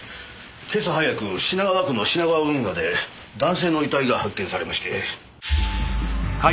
今朝早く品川区の品川運河で男性の遺体が発見されまして。